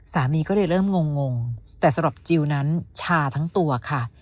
สามีก็เลยเริ่มงงแต่สำหรับจิลนั้นชาทั้งตัวค่ะ